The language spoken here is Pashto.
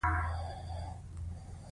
د تیلو حوزه په کوم ځای کې ده؟